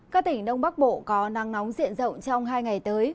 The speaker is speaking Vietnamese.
các tỉnh đông bắc bộ có nắng nóng diện rộng trong hai ngày tới